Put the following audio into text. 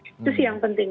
itu sih yang penting